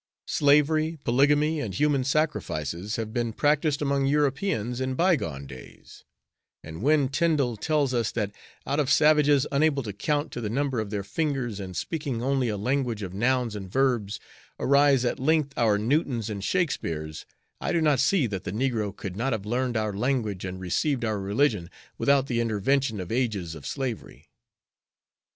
Slavery, polygamy, and human sacrifices have been practiced among Europeans in by gone days; and when Tyndall tells us that out of savages unable to count to the number of their fingers and speaking only a language of nouns and verbs, arise at length our Newtons and Shakspeares, I do not see that the negro could not have learned our language and received our religion without the intervention of ages of slavery."